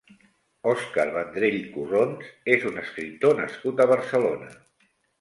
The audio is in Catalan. Òscar Vendrell Corrons és un escriptor nascut a Barcelona.